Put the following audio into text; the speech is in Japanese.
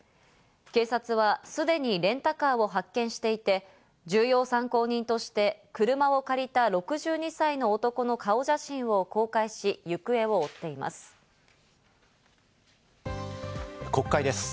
警察はすでにレンタカーを発見していて、重要参考人として車を借りた６２歳の男の顔写真を公開し、国会です。